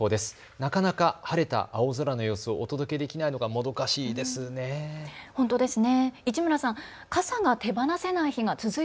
なかなか晴れた青空の様子をお届けできないのがもどかしいですね。